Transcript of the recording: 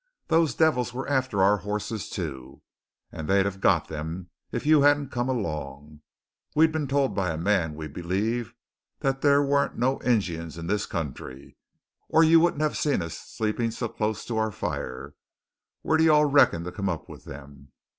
"Those divils were after our hosses too; and they'd have got them if you hadn't come along. We'd been told by a man we believe that there wan't no Injuns in this country, or you wouldn't have seen us sleeping es close to our fire. Whar do you all reckon to come up with them?"